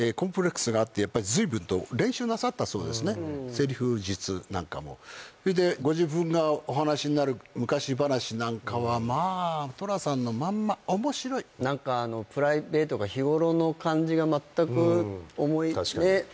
セリフ術なんかもそれでご自分がお話しになる昔話なんかはまあ寅さんのまんま面白い何かあのプライベートが日頃の感じが全く思いねっ